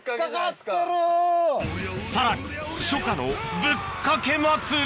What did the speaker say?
さらに初夏のぶっかけ祭り